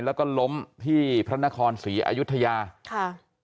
แล้วก็ล้มที่พระนครศรีอายุทยาค่ะ